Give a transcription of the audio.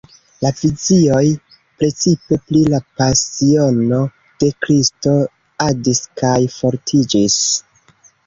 La vizioj, precipe pri la Pasiono de Kristo, adis kaj fortiĝis.